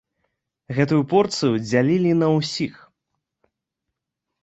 Гэтую порцыю дзялілі на ўсіх.